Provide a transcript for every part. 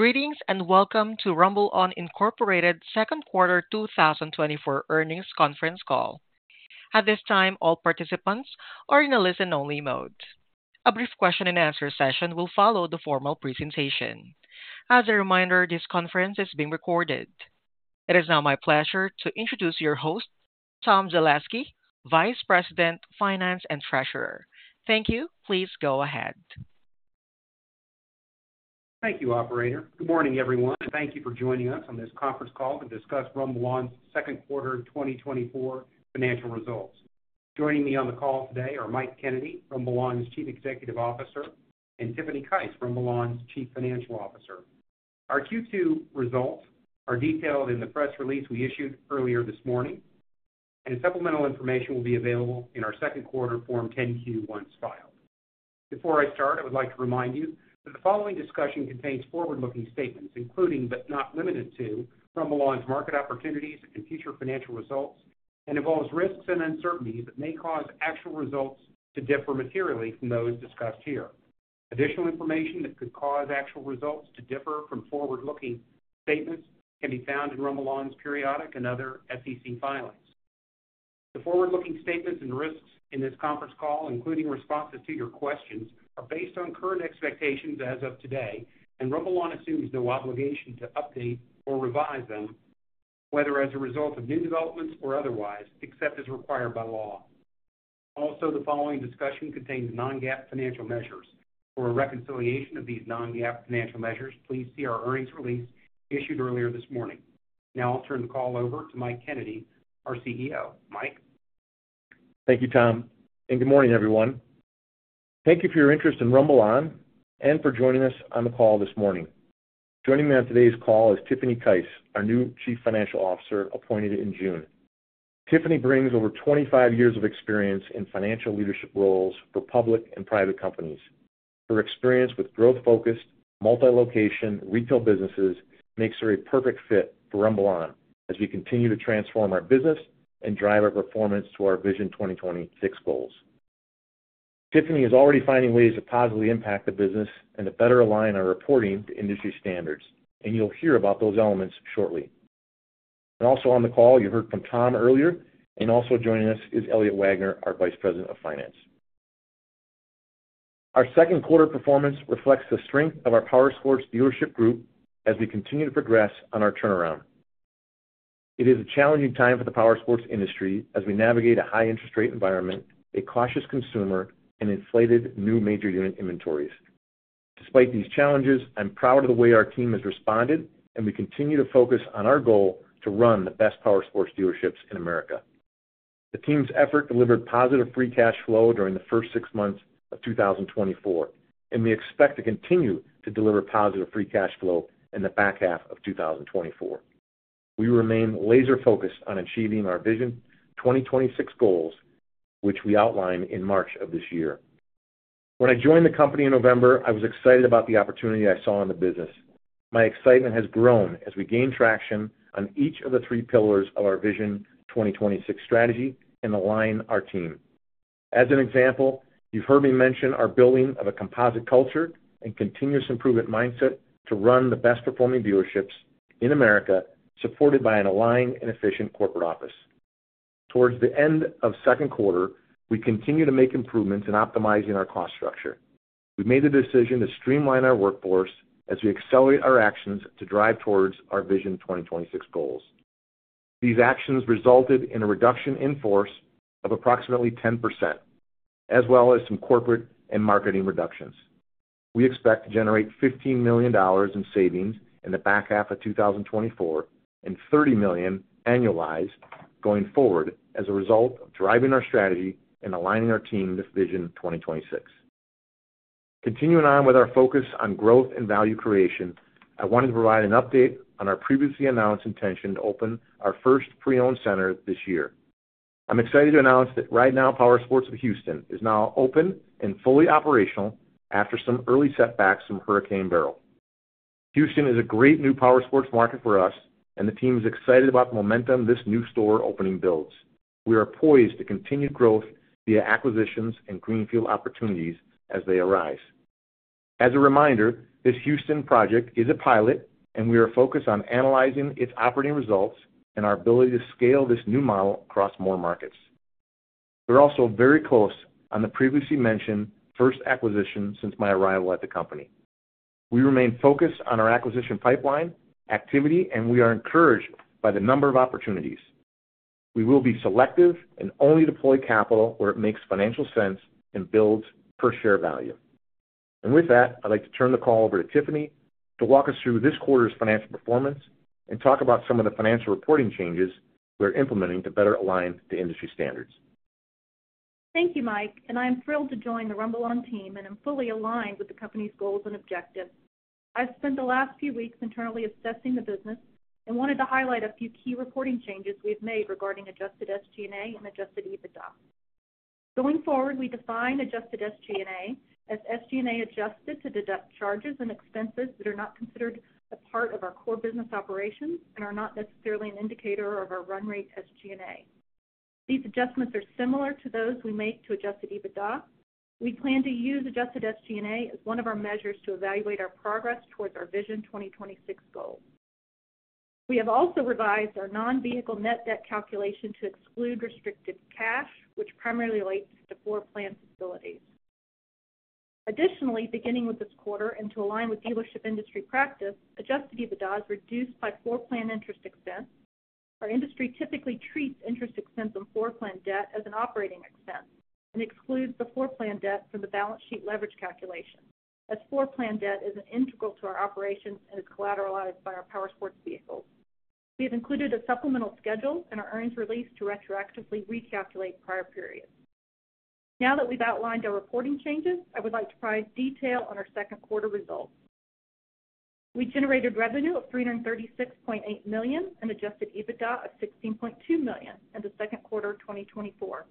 Greetings and welcome to RumbleOn Incorporated's second quarter 2024 earnings conference call. At this time, all participants are in a listen-only mode. A brief question-and-answer session will follow the formal presentation. As a reminder, this conference is being recorded. It is now my pleasure to introduce your host, Tom Zelewski, Vice President, Finance and Treasurer. Thank you. Please go ahead. Thank you, Operator. Good morning, everyone, and thank you for joining us on this conference call to discuss RumbleOn's second quarter 2024 financial results. Joining me on the call today are Mike Kennedy, RumbleOn's Chief Executive Officer, and Tiffany Kice, RumbleOn's Chief Financial Officer. Our Q2 results are detailed in the press release we issued earlier this morning, and supplemental information will be available in our second quarter Form 10-Q filing. Before I start, I would like to remind you that the following discussion contains forward-looking statements, including but not limited to RumbleOn's market opportunities and future financial results, and involves risks and uncertainties that may cause actual results to differ materially from those discussed here. Additional information that could cause actual results to differ from forward-looking statements can be found in RumbleOn's periodic and other SEC filings. The forward-looking statements and risks in this conference call, including responses to your questions, are based on current expectations as of today, and RumbleOn assumes no obligation to update or revise them, whether as a result of new developments or otherwise, except as required by law. Also, the following discussion contains non-GAAP financial measures. For a reconciliation of these non-GAAP financial measures, please see our earnings release issued earlier this morning. Now I'll turn the call over to Mike Kennedy, our CEO. Mike. Thank you, Tom, and good morning, everyone. Thank you for your interest in RumbleOn and for joining us on the call this morning. Joining me on today's call is Tiffany Kice, our new Chief Financial Officer appointed in June. Tiffany brings over 25 years of experience in financial leadership roles for public and private companies. Her experience with growth-focused, multi-location retail businesses makes her a perfect fit for RumbleOn as we continue to transform our business and drive our performance to our Vision 2026 goals. Tiffany is already finding ways to positively impact the business and to better align our reporting to industry standards, and you'll hear about those elements shortly. And also on the call, you heard from Tom earlier, and also joining us is Elliott Wagner, our Vice President of Finance. Our second quarter performance reflects the strength of our powersports dealership group as we continue to progress on our turnaround. It is a challenging time for the powersports industry as we navigate a high-interest rate environment, a cautious consumer, and inflated new major unit inventories. Despite these challenges, I'm proud of the way our team has responded, and we continue to focus on our goal to run the best powersports dealerships in America. The team's effort delivered positive free cash flow during the first six months of 2024, and we expect to continue to deliver positive free cash flow in the back half of 2024. We remain laser-focused on achieving our Vision 2026 goals, which we outlined in March of this year. When I joined the company in November, I was excited about the opportunity I saw in the business. My excitement has grown as we gain traction on each of the three pillars of our Vision 2026 strategy and align our team. As an example, you've heard me mention our building of a composite culture and continuous improvement mindset to run the best-performing dealerships in America, supported by an aligned and efficient corporate office. Towards the end of second quarter, we continue to make improvements in optimizing our cost structure. We made the decision to streamline our workforce as we accelerate our actions to drive towards our Vision 2026 goals. These actions resulted in a reduction in force of approximately 10%, as well as some corporate and marketing reductions. We expect to generate $15 million in savings in the back half of 2024 and $30 million annualized going forward as a result of driving our strategy and aligning our team with Vision 2026. Continuing on with our focus on growth and value creation, I wanted to provide an update on our previously announced intention to open our first pre-owned center this year. I'm excited to announce that right now, Powersports of Houston is now open and fully operational after some early setbacks from Hurricane Beryl. Houston is a great new Powersports market for us, and the team is excited about the momentum this new store opening builds. We are poised to continue growth via acquisitions and greenfield opportunities as they arise. As a reminder, this Houston project is a pilot, and we are focused on analyzing its operating results and our ability to scale this new model across more markets. We're also very close on the previously mentioned first acquisition since my arrival at the company. We remain focused on our acquisition pipeline activity, and we are encouraged by the number of opportunities. We will be selective and only deploy capital where it makes financial sense and builds per-share value. With that, I'd like to turn the call over to Tiffany to walk us through this quarter's financial performance and talk about some of the financial reporting changes we're implementing to better align to industry standards. Thank you, Mike, and I'm thrilled to join the RumbleOn team, and I'm fully aligned with the company's goals and objectives. I've spent the last few weeks internally assessing the business and wanted to highlight a few key reporting changes we've made regarding Adjusted SG&A and Adjusted EBITDA. Going forward, we define Adjusted SG&A as SG&A adjusted to deduct charges and expenses that are not considered a part of our core business operations and are not necessarily an indicator of our run rate SG&A. These adjustments are similar to those we make to Adjusted EBITDA. We plan to use Adjusted SG&A as one of our measures to evaluate our progress towards our Vision 2026 goal. We have also revised our non-vehicle net debt calculation to exclude restricted cash, which primarily relates to floor plan facilities. Additionally, beginning with this quarter and to align with dealership industry practice, Adjusted EBITDA is reduced by floor plan interest expense. Our industry typically treats interest expense on floor plan debt as an operating expense and excludes the floor plan debt from the balance sheet leverage calculation, as floor plan debt is integral to our operations and is collateralized by our powersports vehicles. We have included a supplemental schedule in our earnings release to retroactively recalculate prior periods. Now that we've outlined our reporting changes, I would like to provide detail on our second quarter results. We generated revenue of $336.8 million and Adjusted EBITDA of $16.2 million in the second quarter of 2024.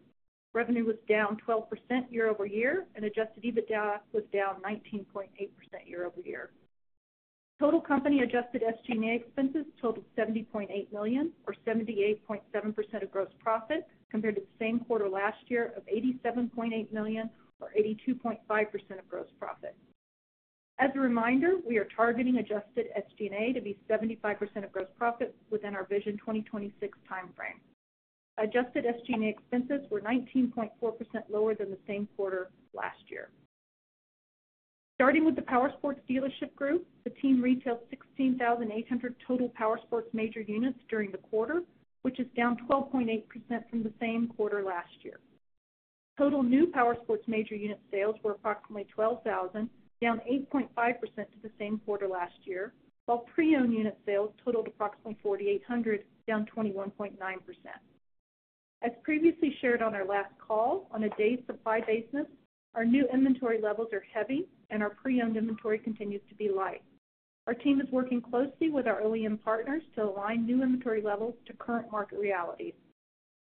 Revenue was down 12% year-over-year, and Adjusted EBITDA was down 19.8% year-over-year. Total company adjusted SG&A expenses totaled $70.8 million, or 78.7% of gross profit, compared to the same quarter last year of $87.8 million, or 82.5% of gross profit. As a reminder, we are targeting adjusted SG&A to be 75% of gross profit within our Vision 2026 timeframe. Adjusted SG&A expenses were 19.4% lower than the same quarter last year. Starting with the powersports dealership group, the team retailed 16,800 total powersports major units during the quarter, which is down 12.8% from the same quarter last year. Total new powersports major unit sales were approximately 12,000, down 8.5% to the same quarter last year, while pre-owned unit sales totaled approximately 4,800, down 21.9%. As previously shared on our last call, on a day-supply basis, our new inventory levels are heavy, and our pre-owned inventory continues to be light. Our team is working closely with our OEM partners to align new inventory levels to current market realities.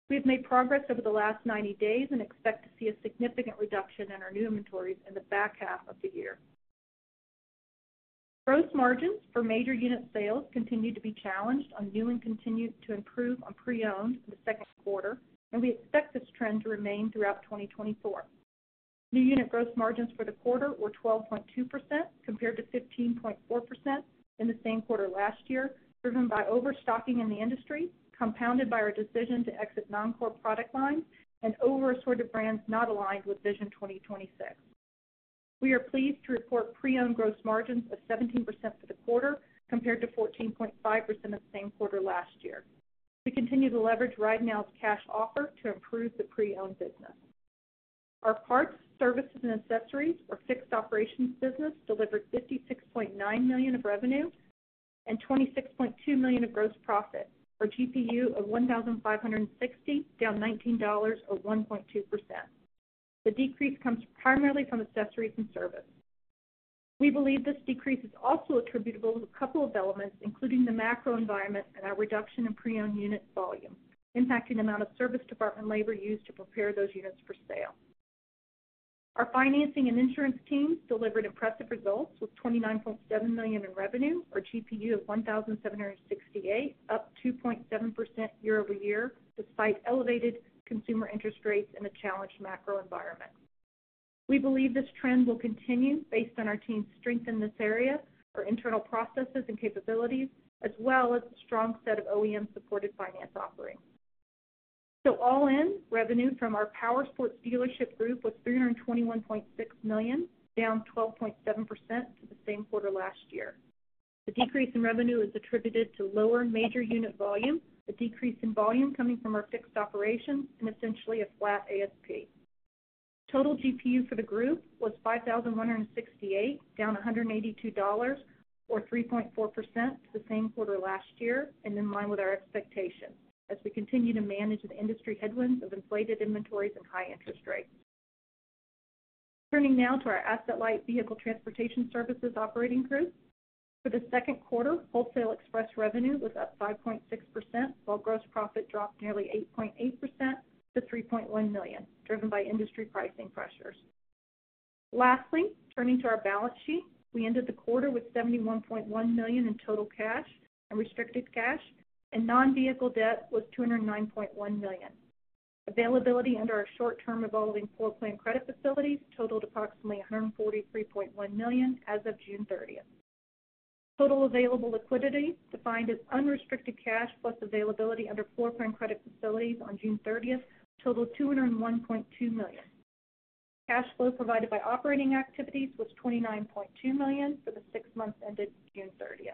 We have made progress over the last 90 days and expect to see a significant reduction in our new inventories in the back half of the year. Gross margins for major unit sales continue to be challenged on new and continue to improve on pre-owned in the second quarter, and we expect this trend to remain throughout 2024. New unit gross margins for the quarter were 12.2% compared to 15.4% in the same quarter last year, driven by overstocking in the industry, compounded by our decision to exit non-core product lines, and over-assorted brands not aligned with Vision 2026. We are pleased to report pre-owned gross margins of 17% for the quarter compared to 14.5% of the same quarter last year. We continue to leverage RideNow's cash offer to improve the pre-owned business. Our parts, services, and accessories for fixed operations business delivered $56.9 million of revenue and $26.2 million of gross profit, our GPU of $1,560, down $19.00, or 1.2%. The decrease comes primarily from accessories and service. We believe this decrease is also attributable to a couple of elements, including the macro environment and our reduction in pre-owned unit volume, impacting the amount of service department labor used to prepare those units for sale. Our financing and insurance team delivered impressive results with $29.7 million in revenue, our GPU of $1,768, up 2.7% year-over-year despite elevated consumer interest rates and a challenged macro environment. We believe this trend will continue based on our team's strength in this area, our internal processes and capabilities, as well as a strong set of OEM-supported finance offerings. So all in, revenue from our powersports dealership group was $321.6 million, down 12.7% to the same quarter last year. The decrease in revenue is attributed to lower major unit volume, a decrease in volume coming from our fixed operations, and essentially a flat ASP. Total GPU for the group was $5,168, down $182, or 3.4% to the same quarter last year, and in line with our expectations as we continue to manage the industry headwinds of inflated inventories and high interest rates. Turning now to our asset-light vehicle transportation services operating group, for the second quarter, Wholesale Express revenue was up 5.6%, while gross profit dropped nearly 8.8% to $3.1 million, driven by industry pricing pressures. Lastly, turning to our balance sheet, we ended the quarter with $71.1 million in total cash and restricted cash, and non-vehicle debt was $209.1 million. Availability under our short-term revolving floor plan credit facilities totaled approximately $143.1 million as of June 30th. Total available liquidity defined as unrestricted cash plus availability under floor plan credit facilities on June 30th totaled $201.2 million. Cash flow provided by operating activities was $29.2 million for the six months ended June 30th.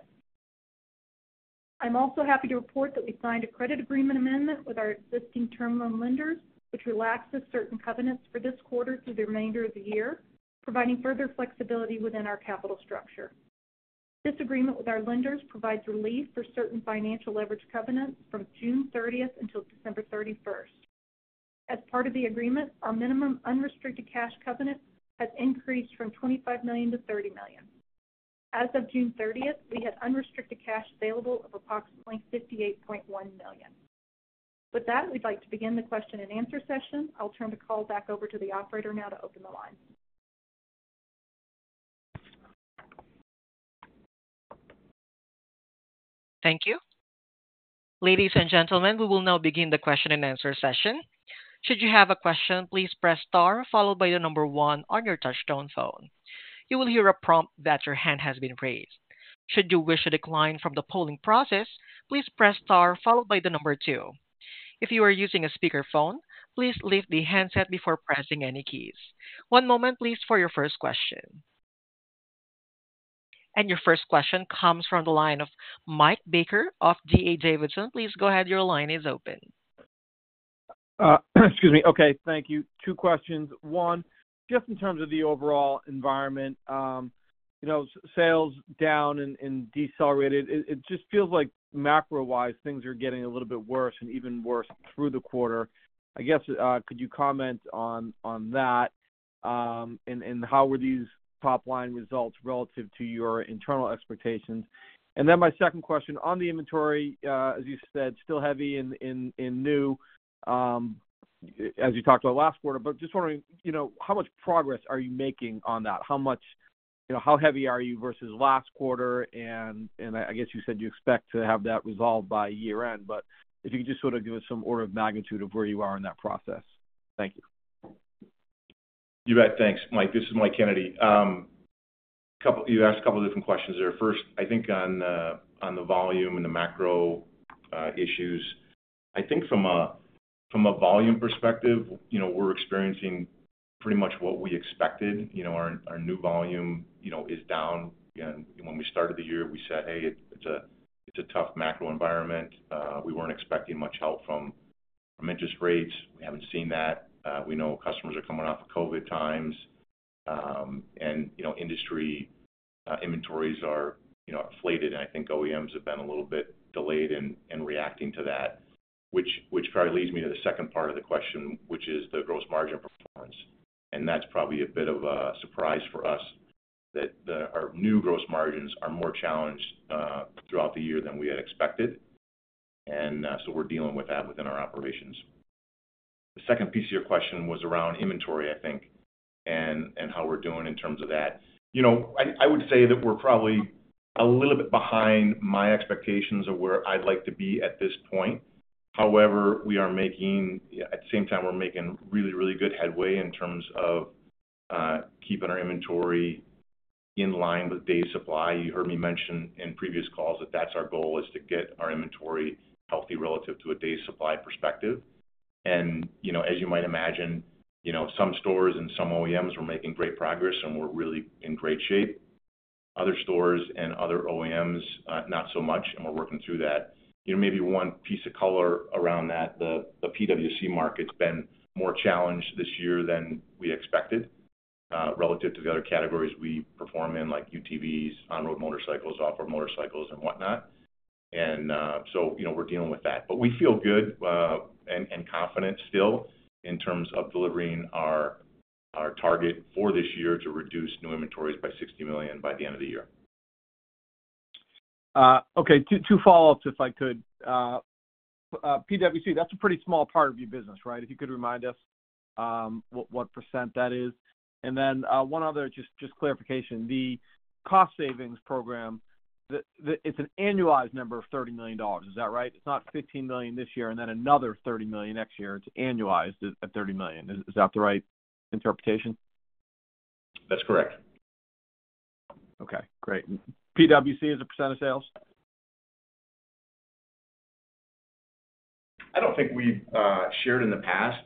I'm also happy to report that we signed a credit agreement amendment with our existing term loan lenders, which relaxes certain covenants for this quarter through the remainder of the year, providing further flexibility within our capital structure. This agreement with our lenders provides relief for certain financial leverage covenants from June 30th until December 31st. As part of the agreement, our minimum unrestricted cash covenant has increased from $25 million to $30 million. As of June 30th, we had unrestricted cash available of approximately $58.1 million. With that, we'd like to begin the question and answer session. I'll turn the call back over to the operator now to open the line. Thank you. Ladies and gentlemen, we will now begin the question and answer session. Should you have a question, please press star followed by a number one on your touch-tone phone. You will hear a prompt that your hand has been raised. Should you wish to decline from the polling process, please press star followed by the number two. If you are using a speakerphone, please lift the handset before pressing any keys. One moment, please, for your first question. Your first question comes from the line of Mike Baker of D.A. Davidson. Please go ahead. Your line is open. Excuse me. Okay, thank you. Two questions. One, just in terms of the overall environment, you know, sales down and decelerated. It just feels like macro-wise, things are getting a little bit worse and even worse through the quarter. I guess, could you comment on that and how were these top-line results relative to your internal expectations? And then my second question on the inventory, as you said, still heavy in new, as you talked about last quarter, but just wondering, you know, how much progress are you making on that? How much, you know, how heavy are you versus last quarter? And I guess you said you expect to have that resolved by year-end, but if you could just sort of give us some order of magnitude of where you are in that process. Thank you. You bet. Thanks, Mike. This is Mike Kennedy. You asked a couple of different questions there. First, I think on the volume and the macro issues, I think from a volume perspective, you know, we're experiencing pretty much what we expected. You know, our new volume, you know, is down. And when we started the year, we said, "Hey, it's a tough macro environment." We weren't expecting much help from interest rates. We haven't seen that. We know customers are coming off of COVID times. And, you know, industry inventories are, you know, inflated, and I think OEMs have been a little bit delayed in reacting to that, which probably leads me to the second part of the question, which is the gross margin performance. And that's probably a bit of a surprise for us that our new gross margins are more challenged throughout the year than we had expected. So we're dealing with that within our operations. The second piece of your question was around inventory, I think, and how we're doing in terms of that. You know, I would say that we're probably a little bit behind my expectations of where I'd like to be at this point. However, we are making, at the same time, we're making really, really good headway in terms of keeping our inventory in line with day supply. You heard me mention in previous calls that that's our goal, is to get our inventory healthy relative to a day supply perspective. You know, as you might imagine, you know, some stores and some OEMs were making great progress and were really in great shape. Other stores and other OEMs, not so much, and we're working through that. You know, maybe one piece of color around that, the PWC market's been more challenged this year than we expected relative to the other categories we perform in, like UTVs, on-road motorcycles, off-road motorcycles, and whatnot. And so, you know, we're dealing with that. But we feel good and confident still in terms of delivering our target for this year to reduce new inventories by $60 million by the end of the year. Okay, two follow-ups, if I could. PWC, that's a pretty small part of your business, right? If you could remind us what percent that is. And then one other just clarification. The cost savings program, it's an annualized number of $30 million, is that right? It's not $15 million this year and then another $30 million next year. It's annualized at $30 million. Is that the right interpretation? That's correct. Okay, great. PWC is a % of sales? I don't think we've shared in the past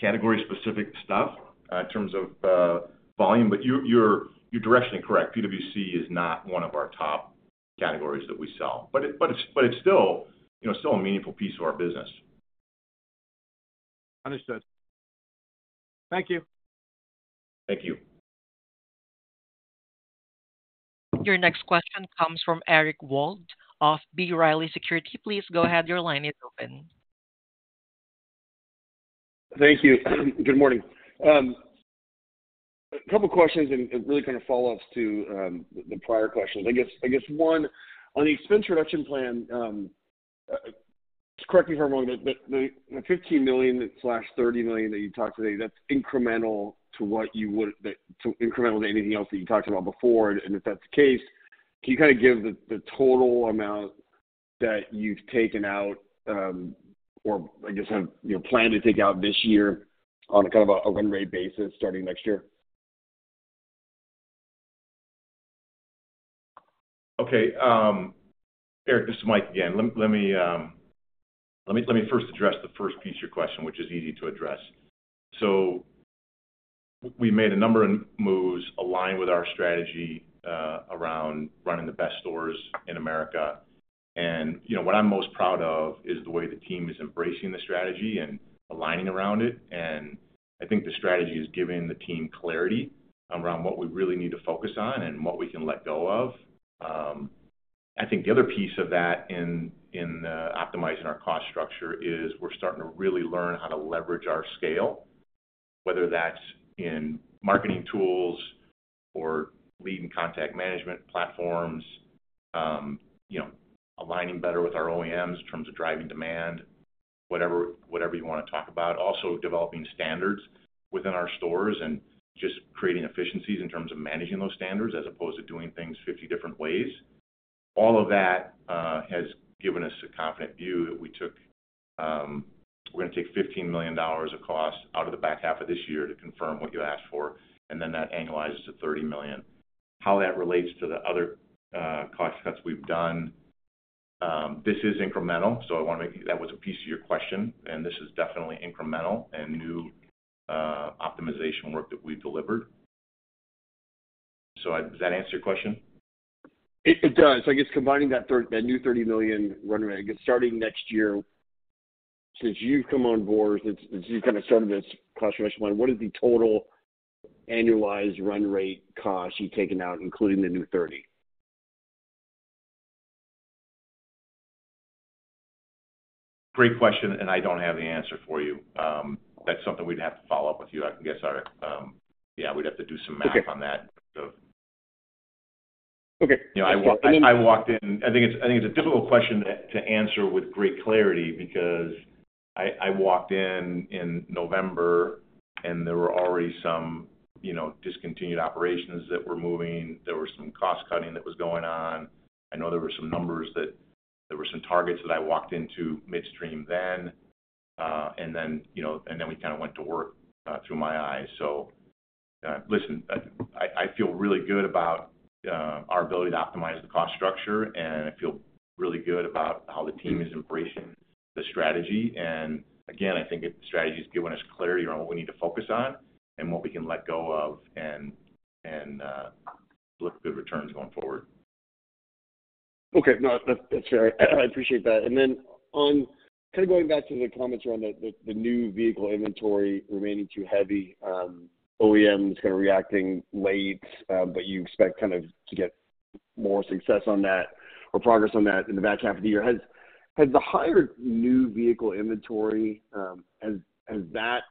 category-specific stuff in terms of volume, but you're directionally correct. PWC is not one of our top categories that we sell, but it's still a meaningful piece of our business. Understood. Thank you. Thank you. Your next question comes from Eric Wold of B. Riley Securities. Please go ahead. Your line is open. Thank you. Good morning. A couple of questions and really kind of follow-ups to the prior questions. I guess one, on the expense reduction plan, correct me if I'm wrong, the $15 million-$30 million that you talked today, that's incremental to what you would, to incremental to anything else that you talked about before. And if that's the case, can you kind of give the total amount that you've taken out or, I guess, have planned to take out this year on a kind of a run rate basis starting next year? Okay. Eric, this is Mike again. Let me first address the first piece of your question, which is easy to address. So we made a number of moves aligned with our strategy around running the best stores in America. And, you know, what I'm most proud of is the way the team is embracing the strategy and aligning around it. And I think the strategy has given the team clarity around what we really need to focus on and what we can let go of. I think the other piece of that in optimizing our cost structure is we're starting to really learn how to leverage our scale, whether that's in marketing tools or leading contact management platforms, you know, aligning better with our OEMs in terms of driving demand, whatever you want to talk about. Also developing standards within our stores and just creating efficiencies in terms of managing those standards as opposed to doing things 50 different ways. All of that has given us a confident view that we took; we're going to take $15 million of costs out of the back half of this year to confirm what you asked for, and then that annualizes to $30 million. How that relates to the other cost cuts we've done, this is incremental. So I want to make sure that was a piece of your question, and this is definitely incremental and new optimization work that we've delivered. So does that answer your question? It does. I guess combining that new $30 million run rate, starting next year, since you've come on board, since you've kind of started this cost reduction plan, what is the total annualized run rate cost you've taken out, including the new $30? Great question, and I don't have the answer for you. That's something we'd have to follow up with you. I guess, yeah, we'd have to do some math on that. Okay. You know, I walked in. I think it's a difficult question to answer with great clarity because I walked in in November and there were already some, you know, discontinued operations that were moving. There was some cost cutting that was going on. I know there were some numbers that there were some targets that I walked into midstream then. And then, you know, and then we kind of went to work through my eyes. So listen, I feel really good about our ability to optimize the cost structure, and I feel really good about how the team is embracing the strategy. And again, I think the strategy has given us clarity around what we need to focus on and what we can let go of and look good returns going forward. Okay, no, that's fair. I appreciate that. And then on kind of going back to the comments around the new vehicle inventory remaining too heavy, OEMs kind of reacting late, but you expect kind of to get more success on that or progress on that in the back half of the year. Has the higher new vehicle inventory, has that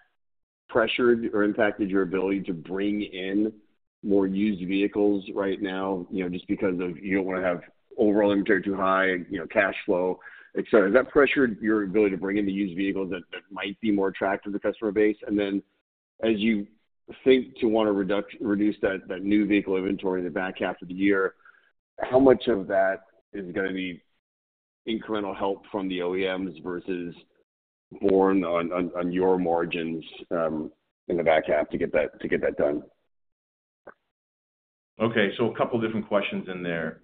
pressured or impacted your ability to bring in more used vehicles right now, you know, just because of you don't want to have overall inventory too high, you know, cash flow, etc.? Has that pressured your ability to bring in the used vehicles that might be more attractive to the customer base? And then as you think to want to reduce that new vehicle inventory in the back half of the year, how much of that is going to need incremental help from the OEMs versus borne on your margins in the back half to get that done? Okay, so a couple of different questions in there.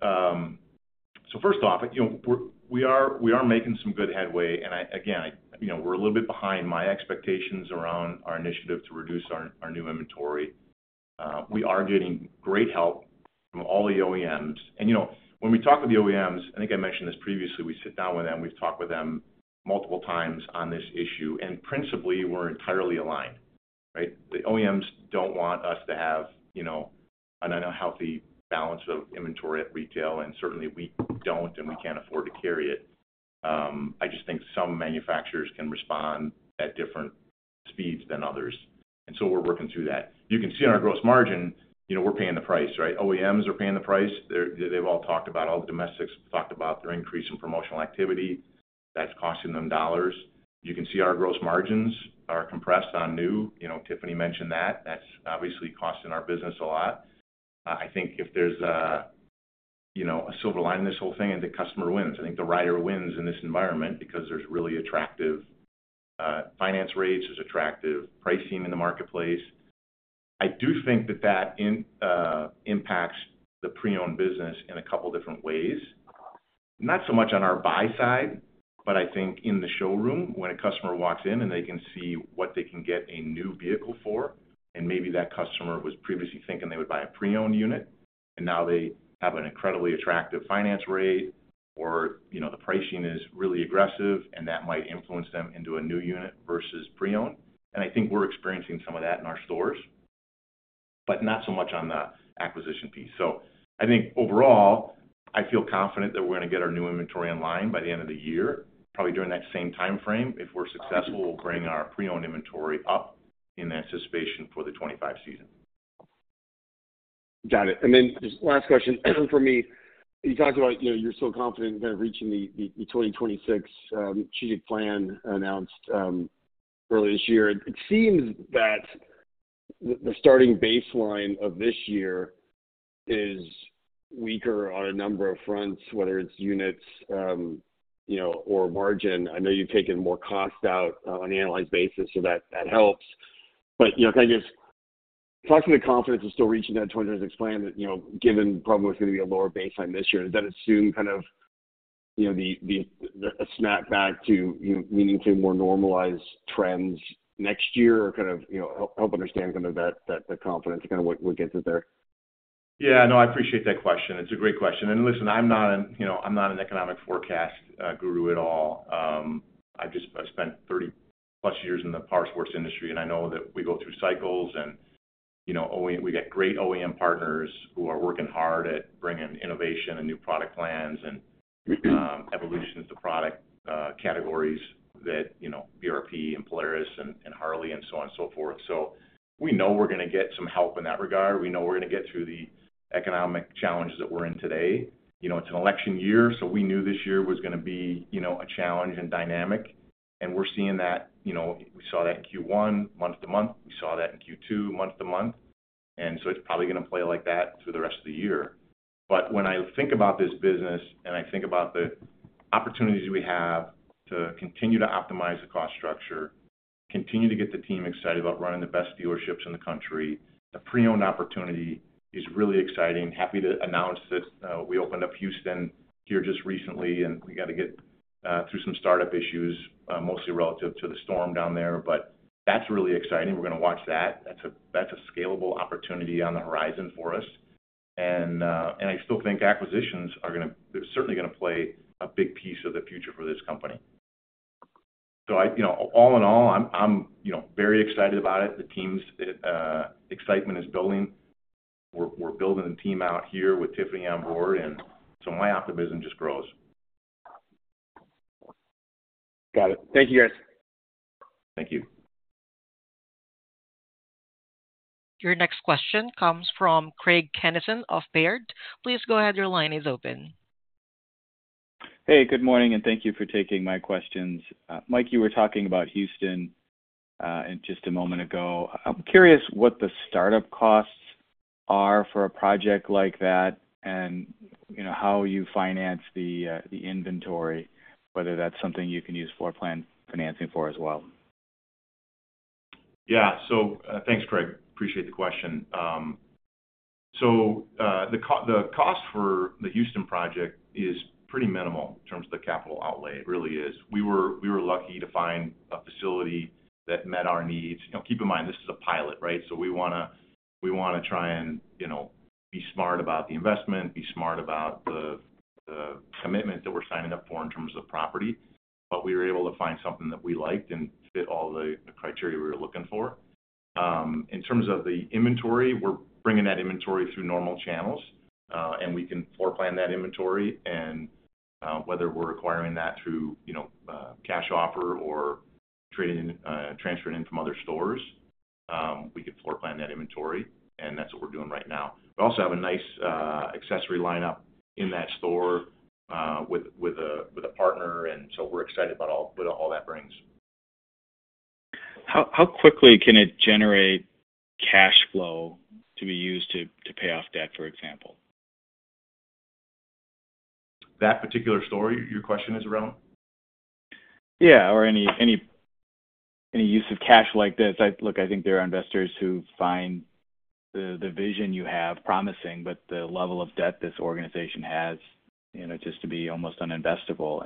First off, you know, we are making some good headway. Again, you know, we're a little bit behind my expectations around our initiative to reduce our new inventory. We are getting great help from all the OEMs. You know, when we talk with the OEMs, I think I mentioned this previously, we sit down with them, we've talked with them multiple times on this issue. Principally, we're entirely aligned, right? The OEMs don't want us to have, you know, an unhealthy balance of inventory at retail, and certainly we don't and we can't afford to carry it. I just think some manufacturers can respond at different speeds than others. So we're working through that. You can see on our gross margin, you know, we're paying the price, right? OEMs are paying the price. They've all talked about all the domestics talked about their increase in promotional activity. That's costing them dollars. You can see our gross margins are compressed on new. You know, Tiffany mentioned that. That's obviously costing our business a lot. I think if there's, you know, a silver lining in this whole thing, I think the customer wins. I think the rider wins in this environment because there's really attractive finance rates, there's attractive pricing in the marketplace. I do think that that impacts the pre-owned business in a couple of different ways. Not so much on our buy side, but I think in the showroom, when a customer walks in and they can see what they can get a new vehicle for, and maybe that customer was previously thinking they would buy a pre-owned unit, and now they have an incredibly attractive finance rate or, you know, the pricing is really aggressive, and that might influence them into a new unit versus pre-owned. And I think we're experiencing some of that in our stores, but not so much on the acquisition piece. So I think overall, I feel confident that we're going to get our new inventory in line by the end of the year, probably during that same timeframe. If we're successful, we'll bring our pre-owned inventory up in anticipation for the 2025 season. Got it. And then just last question for me. You talked about, you know, you're so confident in kind of reaching the 2026 strategic plan announced earlier this year. It seems that the starting baseline of this year is weaker on a number of fronts, whether it's units, you know, or margin. I know you've taken more cost out on an annualized basis, so that helps. But, you know, kind of just talking to confidence of still reaching that 2026 plan, you know, given probably what's going to be a lower baseline this year, does that assume kind of, you know, a snap back to meaningfully more normalized trends next year or kind of, you know, help understand kind of that confidence, kind of what gets us there? Yeah, no, I appreciate that question. It's a great question. And listen, I'm not an economic forecast guru at all. I've just spent 30+ years in the powersports industry, and I know that we go through cycles and, you know, we get great OEM partners who are working hard at bringing innovation and new product plans and evolutions to product categories that, you know, BRP, and Polaris, and Harley, and so on and so forth. So we know we're going to get some help in that regard. We know we're going to get through the economic challenges that we're in today. You know, it's an election year, so we knew this year was going to be, you know, a challenge and dynamic. And we're seeing that, you know, we saw that in Q1, month-to-month. We saw that in Q2, month-to-month. And so it's probably going to play like that through the rest of the year. But when I think about this business and I think about the opportunities we have to continue to optimize the cost structure, continue to get the team excited about running the best dealerships in the country, the pre-owned opportunity is really exciting. Happy to announce that we opened up Houston here just recently, and we got to get through some startup issues, mostly relative to the storm down there. But that's really exciting. We're going to watch that. That's a scalable opportunity on the horizon for us. And I still think acquisitions are going to, they're certainly going to play a big piece of the future for this company. So I, you know, all in all, I'm, you know, very excited about it. The team's excitement is building. We're building a team out here with Tiffany on board, and so my optimism just grows. Got it. Thank you, guys. Thank you. Your next question comes from Craig Kennison of Baird. Please go ahead. Your line is open. Hey, good morning, and thank you for taking my questions. Mike, you were talking about Houston just a moment ago. I'm curious what the startup costs are for a project like that and, you know, how you finance the inventory, whether that's something you can use floor plan financing for as well. Yeah, so thanks, Craig. Appreciate the question. The cost for the Houston project is pretty minimal in terms of the capital outlay. It really is. We were lucky to find a facility that met our needs. You know, keep in mind, this is a pilot, right? So we want to try and, you know, be smart about the investment, be smart about the commitment that we're signing up for in terms of property. But we were able to find something that we liked and fit all the criteria we were looking for. In terms of the inventory, we're bringing that inventory through normal channels, and we can floor plan that inventory. And whether we're acquiring that through, you know, cash offer or transferring in from other stores, we could floor plan that inventory. And that's what we're doing right now. We also have a nice accessory lineup in that store with a partner. And so we're excited about all that brings. How quickly can it generate cash flow to be used to pay off debt, for example? That particular story your question is around? Yeah, or any use of cash like this. Look, I think there are investors who find the vision you have promising, but the level of debt this organization has, you know, just to be almost uninvestable.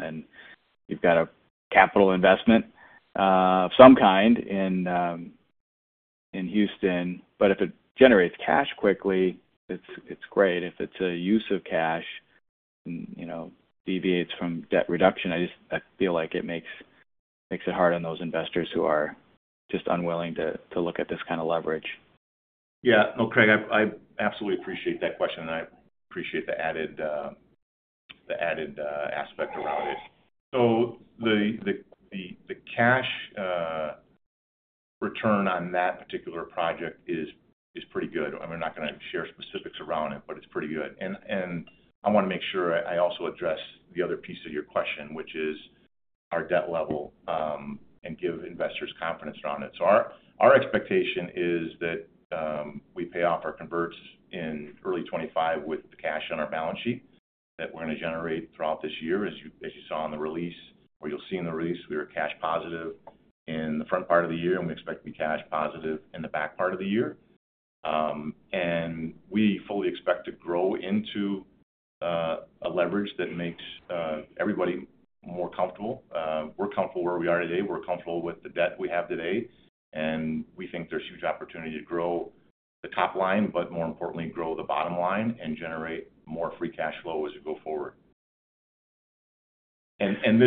You've got a capital investment of some kind in Houston. But if it generates cash quickly, it's great. If it's a use of cash, you know, deviates from debt reduction, I just feel like it makes it hard on those investors who are just unwilling to look at this kind of leverage. Yeah, no, Craig, I absolutely appreciate that question, and I appreciate the added aspect around it. So the cash return on that particular project is pretty good. I'm not going to share specifics around it, but it's pretty good. And I want to make sure I also address the other piece of your question, which is our debt level, and give investors confidence around it. So our expectation is that we pay off our converts in early 2025 with the cash on our balance sheet that we're going to generate throughout this year. As you saw in the release, or you'll see in the release, we were cash positive in the front part of the year, and we expect to be cash positive in the back part of the year. And we fully expect to grow into a leverage that makes everybody more comfortable. We're comfortable where we are today. We're comfortable with the debt we have today. We think there's a huge opportunity to grow the top line, but more importantly, grow the bottom line and generate more free cash flow as we go forward. And this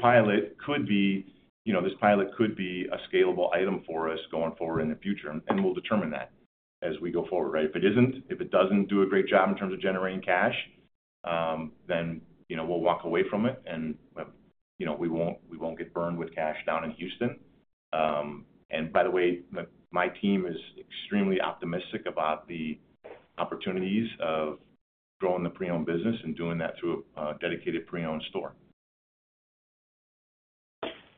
pilot could be, you know, this pilot could be a scalable item for us going forward in the future. And we'll determine that as we go forward, right? If it isn't, if it doesn't do a great job in terms of generating cash, then, you know, we'll walk away from it. And, you know, we won't get burned with cash down in Houston. And by the way, my team is extremely optimistic about the opportunities of growing the pre-owned business and doing that through a dedicated pre-owned store.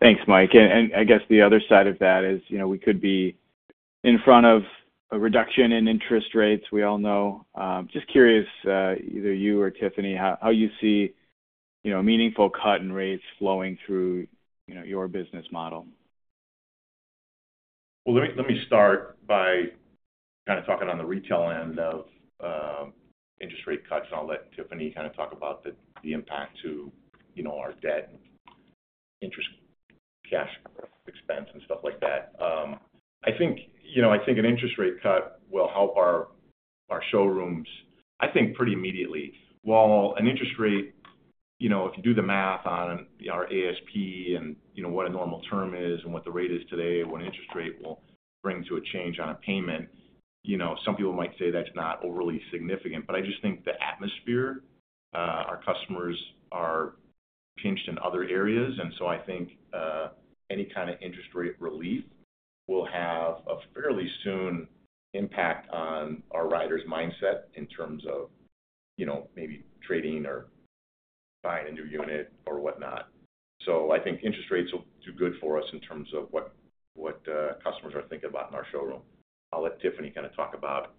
Thanks, Mike. And I guess the other side of that is, you know, we could be in front of a reduction in interest rates, we all know. Just curious, either you or Tiffany, how you see, you know, a meaningful cut in rates flowing through, you know, your business model. Well, let me start by kind of talking on the retail end of interest rate cuts. I'll let Tiffany kind of talk about the impact to, you know, our debt and interest cash expense and stuff like that. I think, you know, I think an interest rate cut will help our showrooms, I think, pretty immediately. While an interest rate, you know, if you do the math on our ASP and, you know, what a normal term is and what the rate is today, what an interest rate will bring to a change on a payment, you know, some people might say that's not overly significant. But I just think the atmosphere, our customers are pinched in other areas. So I think any kind of interest rate relief will have a fairly soon impact on our rider's mindset in terms of, you know, maybe trading or buying a new unit or whatnot. So I think interest rates will do good for us in terms of what customers are thinking about in our showroom. I'll let Tiffany kind of talk about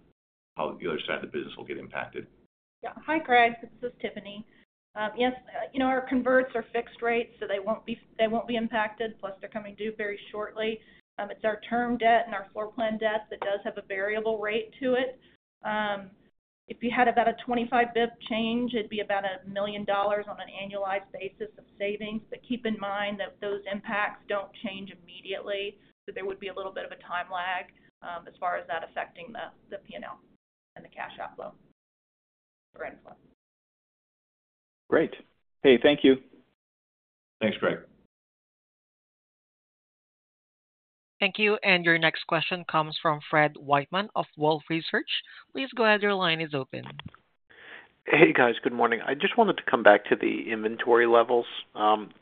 how the other side of the business will get impacted. Yeah, hi, Craig. This is Tiffany. Yes, you know, our converts are fixed rates, so they won't be impacted. Plus, they're coming due very shortly. It's our term debt and our floor plan debt that does have a variable rate to it. If you had about a 25 basis point change, it'd be about $1 million on an annualized basis of savings. But keep in mind that those impacts don't change immediately. So there would be a little bit of a time lag as far as that affecting the P&L and the cash outflow. Great. Hey, thank you. Thanks, Craig. Thank you. And your next question comes from Fred Wightman of Wolfe Research. Please go ahead. Your line is open. Hey, guys. Good morning. I just wanted to come back to the inventory levels.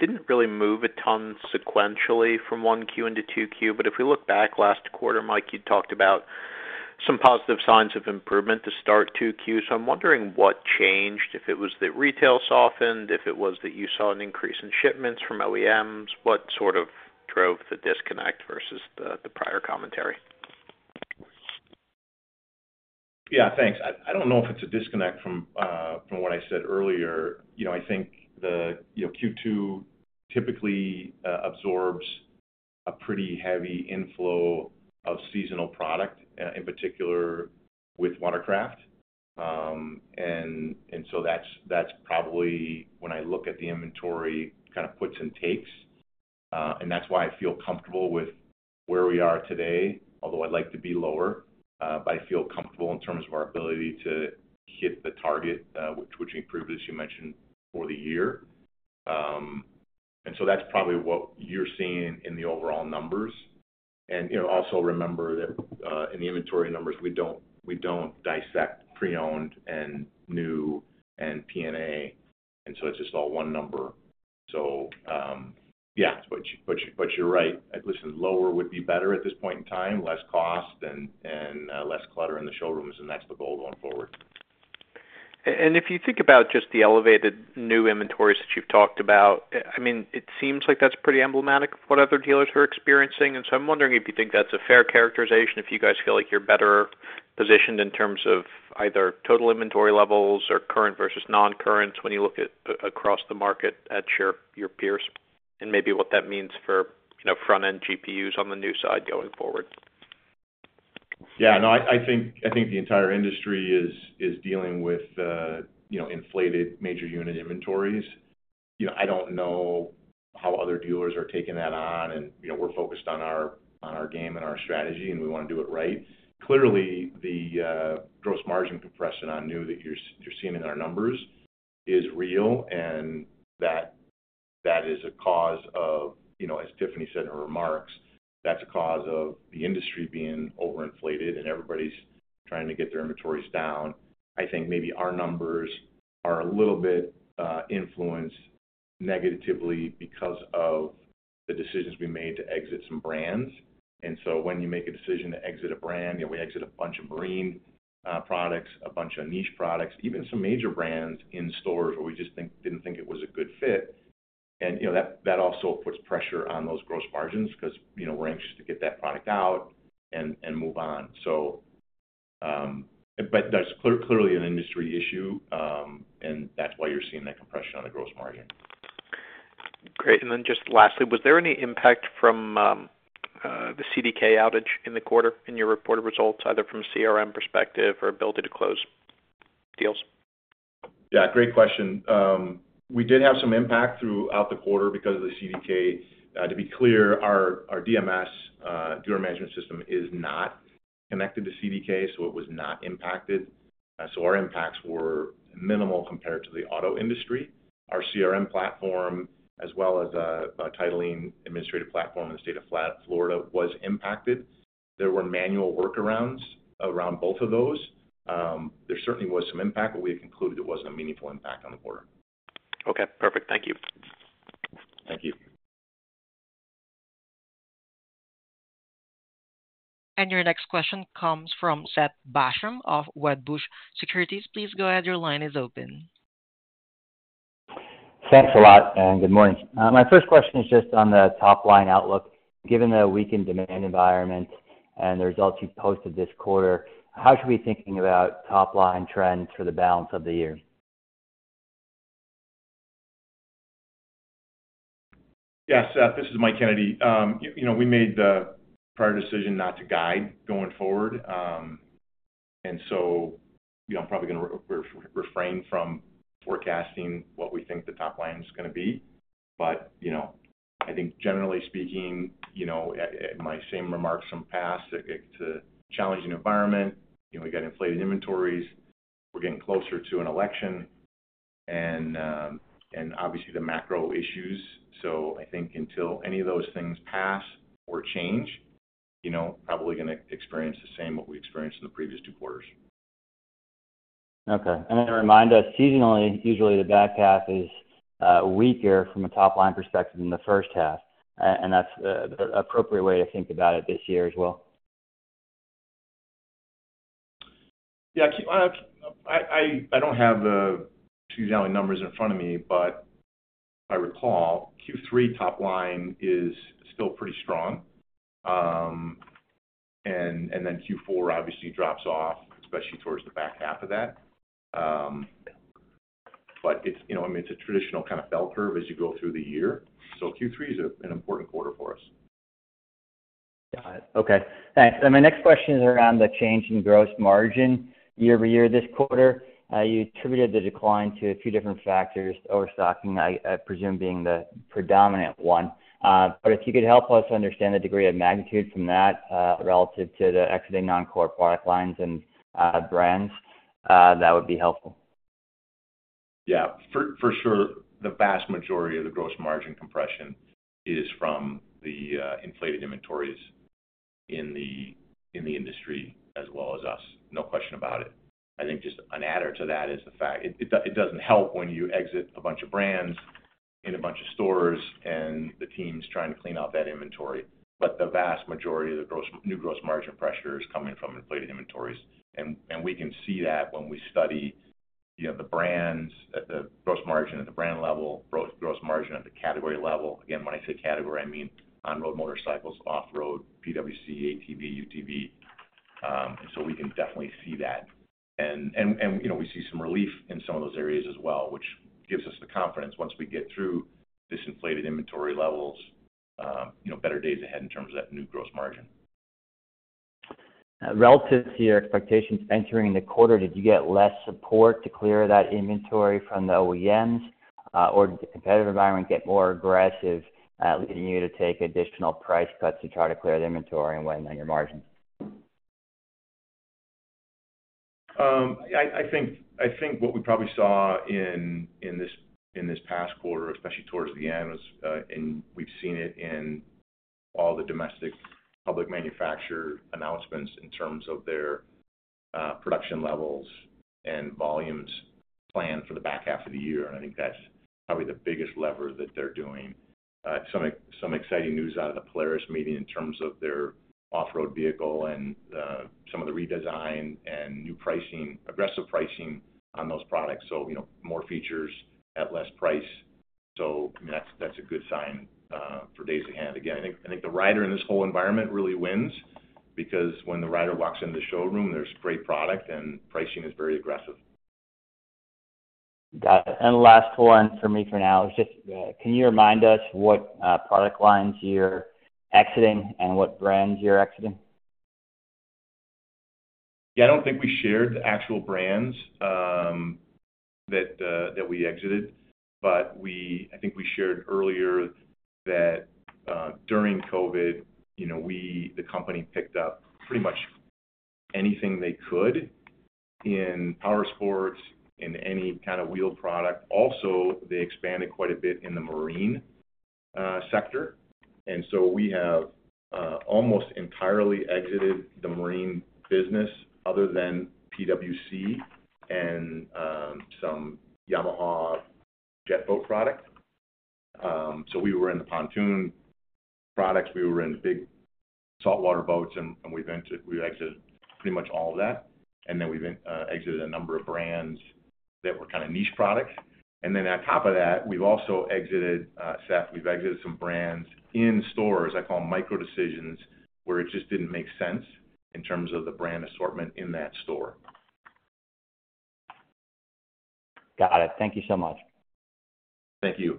Didn't really move a ton sequentially from 1Q into 2Q. But if we look back last quarter, Mike, you'd talked about some positive signs of improvement to start 2Q. So I'm wondering what changed, if it was that retail softened, if it was that you saw an increase in shipments from OEMs, what sort of drove the disconnect versus the prior commentary? Yeah, thanks. I don't know if it's a disconnect from what I said earlier. You know, I think the, you know, Q2 typically absorbs a pretty heavy inflow of seasonal product, in particular with watercraft. And so that's probably, when I look at the inventory, kind of puts and takes. And that's why I feel comfortable with where we are today, although I'd like to be lower, but I feel comfortable in terms of our ability to hit the target, which we previously mentioned for the year. And so that's probably what you're seeing in the overall numbers. And, you know, also remember that in the inventory numbers, we don't dissect pre-owned and new and P&A. And so it's just all one number. So yeah, but you're right. I listen, lower would be better at this point in time, less cost and less clutter in the showrooms. That's the goal going forward. If you think about just the elevated new inventories that you've talked about, I mean, it seems like that's pretty emblematic of what other dealers are experiencing. So I'm wondering if you think that's a fair characterization, if you guys feel like you're better positioned in terms of either total inventory levels or current versus non-current when you look across the market at your peers and maybe what that means for, you know, front-end GPUs on the new side going forward. Yeah, no, I think the entire industry is dealing with, you know, inflated major unit inventories. You know, I don't know how other dealers are taking that on. And, you know, we're focused on our game and our strategy, and we want to do it right. Clearly, the gross margin compression on new that you're seeing in our numbers is real. And that is a cause of, you know, as Tiffany said in her remarks, that's a cause of the industry being overinflated and everybody's trying to get their inventories down. I think maybe our numbers are a little bit influenced negatively because of the decisions we made to exit some brands. And so when you make a decision to exit a brand, you know, we exit a bunch of marine products, a bunch of niche products, even some major brands in stores where we just didn't think it was a good fit. And, you know, that also puts pressure on those gross margins because, you know, we're anxious to get that product out and move on. So that's clearly an industry issue. And that's why you're seeing that compression on the gross margin. Craig, and then just lastly, was there any impact from the CDK outage in the quarter in your report of results, either from a CRM perspective or ability to close deals? Yeah, great question. We did have some impact throughout the quarter because of the CDK. To be clear, our DMS, dealer management system, is not connected to CDK, so it was not impacted. So our impacts were minimal compared to the auto industry. Our CRM platform, as well as the TitleTec administrative platform in the state of Florida, was impacted. There were manual workarounds around both of those. There certainly was some impact, but we had concluded it wasn't a meaningful impact on the quarter. Okay, perfect. Thank you. Thank you. Your next question comes from Seth Basham of Wedbush Securities. Please go ahead. Your line is open. Thanks a lot, and good morning. My first question is just on the top-line outlook. Given the weakened demand environment and the results you posted this quarter, how should we be thinking about top-line trends for the balance of the year? Yes, Seth, this is Mike Kennedy. You know, we made the prior decision not to guide going forward. So, you know, I'm probably going to refrain from forecasting what we think the top line is going to be. But, you know, I think generally speaking, you know, my same remarks from past, it's a challenging environment. You know, we got inflated inventories. We're getting closer to an election. And obviously, the macro issues. So I think until any of those things pass or change, you know, probably going to experience the same what we experienced in the previous two quarters. Okay. A reminder, seasonally, usually the back half is weaker from a top-line perspective than the first half. That's an appropriate way to think about it this year as well. Yeah, I don't have the seasonal numbers in front of me, but if I recall, Q3 top-line is still pretty strong. And then Q4 obviously drops off, especially towards the back half of that. But it's, you know, I mean, it's a traditional kind of bell curve as you go through the year. So Q3 is an important quarter for us. Got it. Okay. Thanks. My next question is around the change in gross margin year-over-year this quarter. You attributed the decline to a few different factors, overstocking, I presume, being the predominant one. If you could help us understand the degree of magnitude from that relative to the exiting non-core product lines and brands, that would be helpful. Yeah, for sure. The vast majority of the gross margin compression is from the inflated inventories in the industry as well as us. No question about it. I think just an add-on to that is the fact it doesn't help when you exit a bunch of brands in a bunch of stores and the team's trying to clean out that inventory. But the vast majority of the new gross margin pressure is coming from inflated inventories. And we can see that when we study, you know, the brands, the gross margin at the brand level, gross margin at the category level. Again, when I say category, I mean on-road motorcycles, off-road, PWC, ATV, UTV. And so we can definitely see that. You know, we see some relief in some of those areas as well, which gives us the confidence once we get through disinflated inventory levels, you know, better days ahead in terms of that new gross margin. Relative to your expectations entering the quarter, did you get less support to clear that inventory from the OEMs or did the competitive environment get more aggressive in you to take additional price cuts to try to clear the inventory and widen your margins? I think what we probably saw in this past quarter, especially towards the end, and we've seen it in all the domestic public manufacturer announcements in terms of their production levels and volumes planned for the back half of the year. I think that's probably the biggest lever that they're doing. Some exciting news out of the Polaris meeting in terms of their off-road vehicle and some of the redesign and new pricing, aggressive pricing on those products. So, you know, more features at less price. So, I mean, that's a good sign for days ahead. Again, I think the rider in this whole environment really wins because when the rider walks into the showroom, there's great product and pricing is very aggressive. Got it. Last one for me for now is just, can you remind us what product lines you're exiting and what brands you're exiting? Yeah, I don't think we shared the actual brands that we exited. But I think we shared earlier that during COVID, you know, the company picked up pretty much anything they could in powersports and any kind of wheel product. Also, they expanded quite a bit in the marine sector. And so we have almost entirely exited the marine business other than PWC and some Yamaha jet boat products. So we were in the pontoon products. We were in the big saltwater boats, and we exited pretty much all of that. And then we exited a number of brands that were kind of niche products. And then on top of that, we've also exited, Seth, we've exited some brands in stores I call micro decisions where it just didn't make sense in terms of the brand assortment in that store. Got it. Thank you so much. Thank you.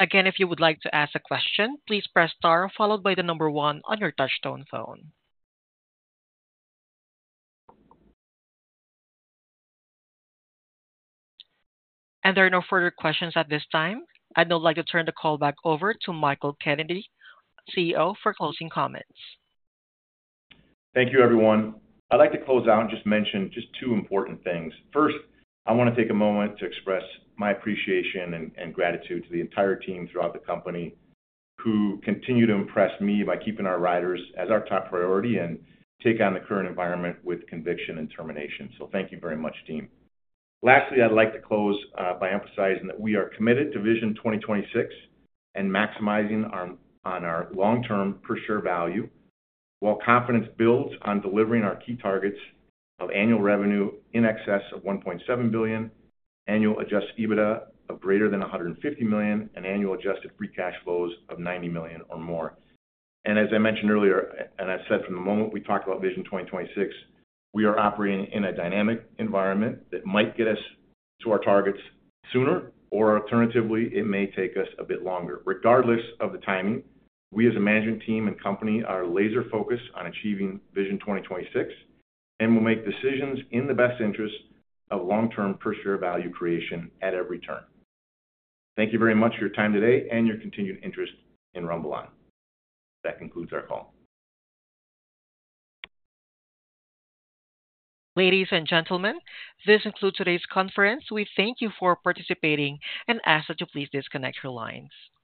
Again, if you would like to ask a question, please press star followed by the number one on your touch-tone phone. There are no further questions at this time. I'd now like to turn the call back over to Mike Kennedy, CEO, for closing comments. Thank you, everyone. I'd like to close out and just mention just two important things. First, I want to take a moment to express my appreciation and gratitude to the entire team throughout the company who continue to impress me by keeping our riders as our top priority and take on the current environment with conviction and determination. So thank you very much, team. Lastly, I'd like to close by emphasizing that we are committed to Vision 2026 and maximizing on our long-term per share value while confidence builds on delivering our key targets of annual revenue in excess of $1.7 billion, annual Adjusted EBITDA of greater than $150 million, and annual adjusted free cash flows of $90 million or more. As I mentioned earlier, and I've said from the moment we talked about Vision 2026, we are operating in a dynamic environment that might get us to our targets sooner, or alternatively, it may take us a bit longer. Regardless of the timing, we as a management team and company are laser-focused on achieving Vision 2026, and we'll make decisions in the best interest of long-term per share value creation at every turn. Thank you very much for your time today and your continued interest in RumbleOn. That concludes our call. Ladies and gentlemen, this concludes today's conference. We thank you for participating and ask that you please disconnect your lines.